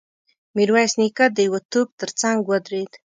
ميرويس نيکه د يوه توپ تر څنګ ودرېد.